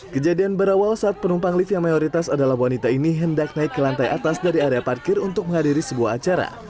kejadian berawal saat penumpang lift yang mayoritas adalah wanita ini hendak naik ke lantai atas dari area parkir untuk menghadiri sebuah acara